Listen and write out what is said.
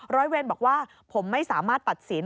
ร้อยเวรบอกว่าผมไม่สามารถตัดสิน